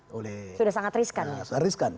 sudah sangat riskan